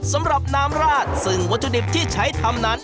สำหรับน้ำราดซึ่งวัตถุดิบที่ใช้ทำนั้น